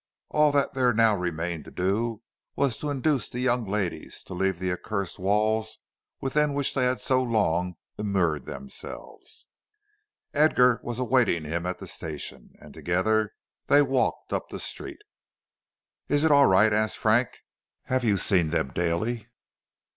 All that there now remained to do was to induce the young ladies to leave the accursed walls within which they had so long immured themselves. Edgar was awaiting him at the station, and together they walked up the street. "Is it all right?" asked Frank. "Have you seen them daily?"